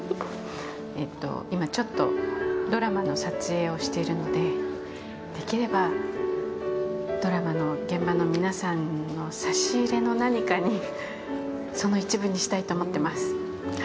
今、ちょっとドラマの撮影をしてるのでできれば、ドラマの現場の皆さんの差し入れの何かにその一部にしたいと思ってます。